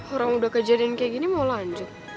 orang udah kejadian kayak gini mau lanjut